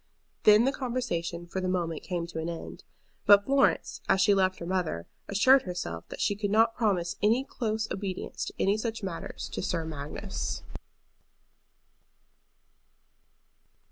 Then the conversation for the moment came to an end. But Florence, as she left her mother, assured herself that she could not promise any close obedience in any such matters to Sir Magnus.